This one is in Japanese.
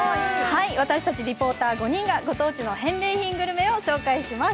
私たちリポーター５人がご当地の返礼品グルメをご紹介します。